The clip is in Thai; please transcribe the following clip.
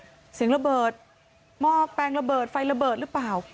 เสียงระเบิดหม้อแปลงระเบิดไฟระเบิดหรือเปล่า